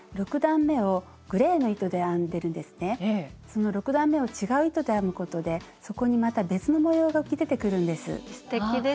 その６段めを違う糸で編むことでそこにまた別の模様が浮き出てくるんです。